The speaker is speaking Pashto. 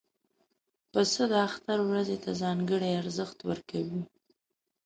پسه د اختر ورځې ته ځانګړی ارزښت ورکوي.